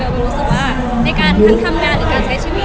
ไปรู้สึกว่าในการทั้งทำงานหรือการใช้ชีวิต